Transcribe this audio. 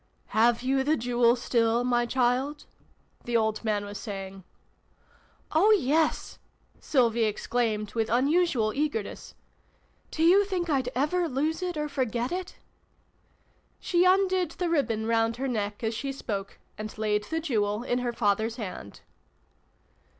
" Have you the Jewel still, my child ?" the old man was saying. " Oh, yes !" Sylvie exclaimed with unusual eagerness. " Do you think I'd ever lose it or forget it ?" She undid the ribbon round her neck, as she spoke, and laid the Jewel in her father's hand.